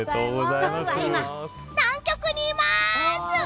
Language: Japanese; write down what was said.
僕は今、南極にいます。